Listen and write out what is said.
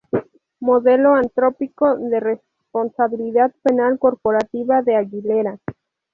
Modelo antrópico de responsabilidad penal corporativa de Aguilera.